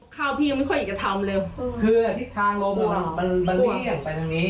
ข้าวพี่ยังไม่ค่อยอยากทำเลยคือทางโลมมันมันเรียกไปตรงนี้